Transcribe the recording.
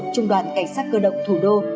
trung đoàn cảnh sát cơ động thủ đô